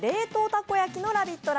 たこ焼きのラヴィット！